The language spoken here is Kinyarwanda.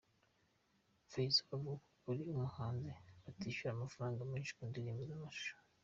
Fayzo avuga ko kuri abahanzi batishyura amafaranga menshi ku ndirimbo z'amashusho.